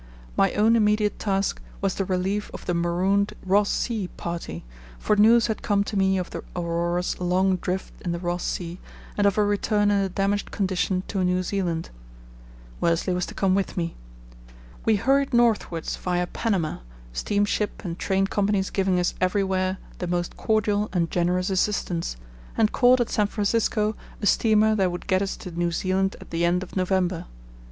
My own immediate task was the relief of the marooned Ross Sea party, for news had come to me of the Aurora's long drift in the Ross Sea and of her return in a damaged condition to New Zealand. Worsley was to come with me. We hurried northwards via Panama, steamship and train companies giving us everywhere the most cordial and generous assistance, and caught at San Francisco a steamer that would get us to New Zealand at the end of November.